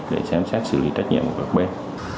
để xem xét xử lý trách nhiệm của các bên